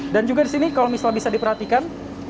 dan juga disini kalau misalnya bisa diperhatikan